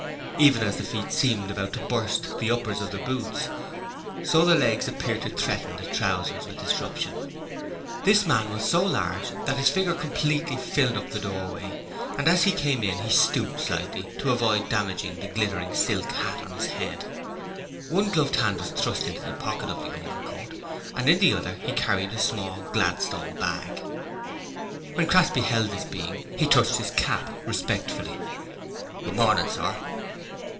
Even as the feet seemed about to burst the uppers of the boots, so the legs appeared to threaten the trousers with disruption. This man was so large that his figure completely filled up the doorway, and as he came in he stooped slightly to avoid damaging the glittering silk hat on his head. One gloved hand was thrust into the pocket of the overcoat and in the other he carried a small Gladstone bag. When Crass beheld this being, he touched his cap respectfully. 'Good morning, sir!'